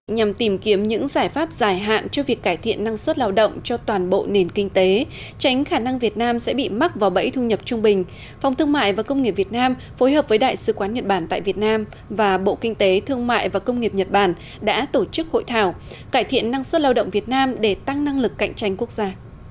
nhằm tìm kiếm những giải pháp dài hạn cho việc cải thiện năng suất lao động cho toàn bộ nền kinh tế tránh khả năng việt nam sẽ bị mắc vào bẫy thu nhập trung bình phòng thương mại và công nghiệp việt nam phối hợp với đại sứ quán nhật bản tại việt nam và bộ kinh tế thương mại và công nghiệp nhật bản đã tổ chức hội thảo cải thiện năng suất lao động việt nam để tăng năng lực cạnh tranh quốc gia